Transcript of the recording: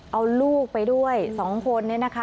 เอาลูกไปด้วย๒คนนี้นะคะ